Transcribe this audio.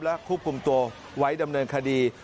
และควบคุมตัวไว้ดำเนินคดี